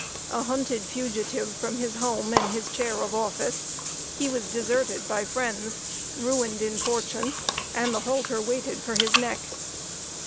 A hunted fugitive from his home and his chair of office, he was deserted by friends, ruined in fortune, and the halter waited for his neck.